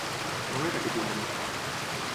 A on era aquest indret?